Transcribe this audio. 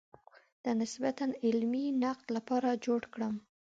د نسبتاً علمي نقد لپاره جوړ کړم.